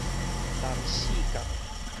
南勢角